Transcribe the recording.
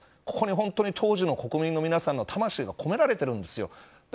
本当に当時の国民の皆さんの魂が込められているんですよ。